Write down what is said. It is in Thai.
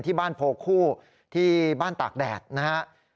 ที่บ้านโพคู่ที่บ้านตากแดดนะครับ